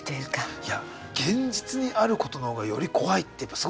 いや現実にあることの方がより怖いってやっぱすごいですね